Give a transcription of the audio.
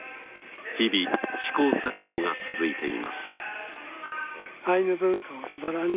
日々試行錯誤が続いています。